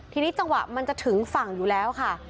ทีนี้จังหวะมันจะถึงฝั่งอยู่แล้วค่ะ